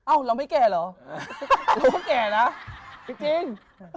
อ้าวเราไม่แก่หรอเก่นะจริง